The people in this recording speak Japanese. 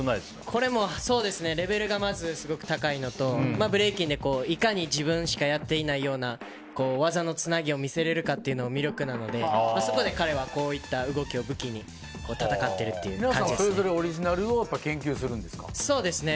これはレベルがすごく高いのとブレイキンでいかに自分しかやっていないような技のつなぎを見せられるかっていうのも魅力なので、そこで彼はこういった動きを武器にそれぞれオリジナルをそうですね。